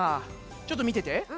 ちょっとみてて。